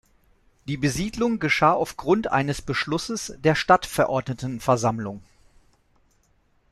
Die Besiedelung geschah aufgrund eines Beschlusses der Stadtverordnetenversammlung.